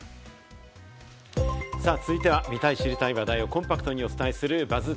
続いては見たい知りたい話題をコンパクトにお伝えするＢＵＺＺ